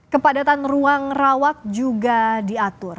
kepadatan ruang rawat juga diatur